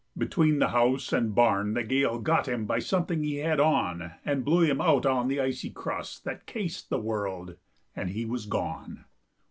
Between the house and barn the gale Got him by something he had on And blew him out on the icy crust That cased the world, and he was gone!